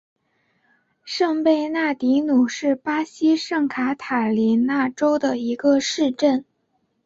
圣贝纳迪努是巴西圣卡塔琳娜州的一个市镇。